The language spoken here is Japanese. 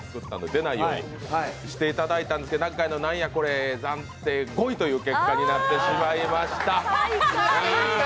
出ないようにしていただいたですけど、なっがいのなんやこれ暫定５位という結果になってしまいました。